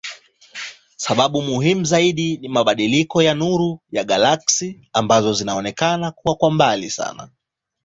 Sababu muhimu zaidi ni mabadiliko ya nuru ya galaksi ambazo zinaonekana kuwa mbali sana.